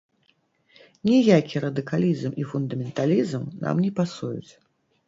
Ніякі радыкалізм і фундаменталізм нам не пасуюць.